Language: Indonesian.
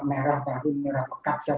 kayak surabaya jawa timur kalimantan selatan